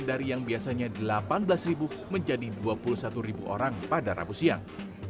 dari yang biasanya delapan belas menjadi dua puluh satu orang pada rabu siang